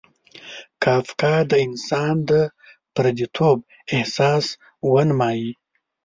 کافکا د انسان د پردیتوب احساس ونمایي.